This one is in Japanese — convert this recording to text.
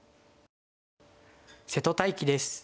瀬戸大樹です。